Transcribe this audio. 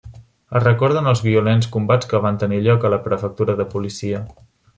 Es recorden els violents combats que van tenir lloc a la prefectura de policia.